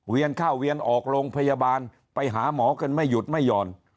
ข้าวเวียนออกโรงพยาบาลไปหาหมอกันไม่หยุดไม่หย่อน